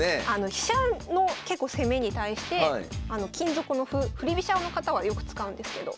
飛車の結構攻めに対して金底の歩振り飛車の方はよく使うんですけど。